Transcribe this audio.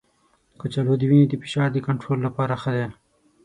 کچالو د وینې د فشار د کنټرول لپاره ښه دی.